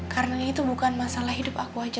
karena ini bukan masalah hidup aku saja